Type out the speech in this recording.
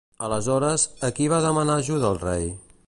Aleshores, a qui va demanar ajuda el rei?